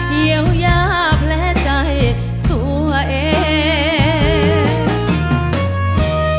เยี่ยวยาแพร่ใจตัวเอง